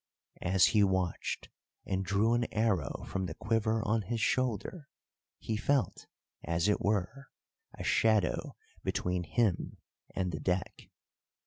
As he watched and drew an arrow from the quiver on his shoulder, he felt, as it were, a shadow between him and the deck.